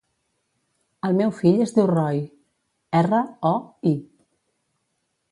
El meu fill es diu Roi: erra, o, i.